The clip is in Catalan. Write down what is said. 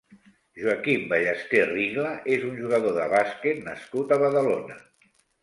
Joaquim Ballester Rigla és un jugador de bàsquet nascut a Badalona.